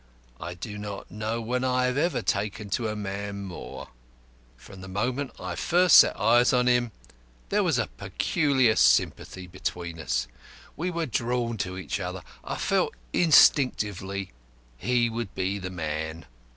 I do not know when I have ever taken to a man more. From the moment I first set eyes on him, there was a peculiar sympathy between us. We were drawn to each other. I felt instinctively he would be the man.